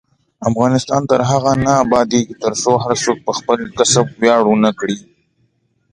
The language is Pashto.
افغانستان تر هغو نه ابادیږي، ترڅو هر څوک په خپل کسب ویاړ ونه کړي.